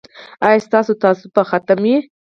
ایا ستاسو تعصب به ختم وي؟